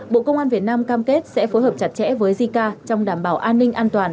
bộ công an việt nam cam kết sẽ phối hợp chặt chẽ với jica trong đảm bảo an ninh an toàn